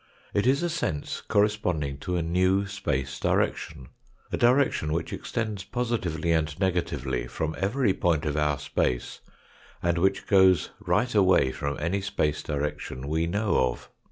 It is a sense corresponding to a new space direction, a direction which extends positively and negatively from every point of our space, and which goes right away from any space direction we know of.